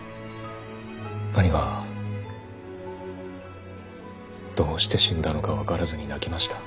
兄がどうして死んだのか分からずに泣きました。